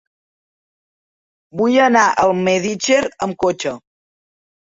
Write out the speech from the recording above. Vull anar a Almedíxer amb cotxe.